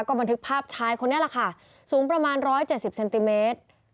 บันทึกภาพชายคนนี้แหละค่ะสูงประมาณ๑๗๐เซนติเมตร